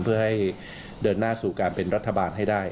เพื่อให้เดินหน้าสู่การเป็นรัฐบาลให้ได้